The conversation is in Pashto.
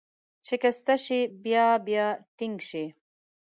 شکسته شي، بیا بیا ټینګ شي.